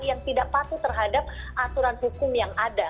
yang tidak patuh terhadap aturan hukum yang ada